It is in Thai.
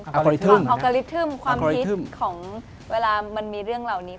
เป็นอัลกอลิธึมความฮิตของเวลามันมีเรื่องเหล่านี้